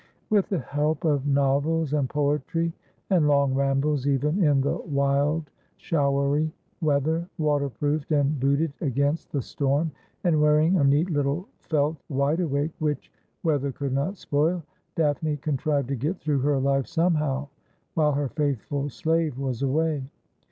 With the help of novels and poetry, and long rambles even in the wild showery weather, waterproofed and booted against the storm, and wearing a neat little felt wide awake which weather could not spoil, Daphne contrived to get through her life somehow while her faithful slave was away.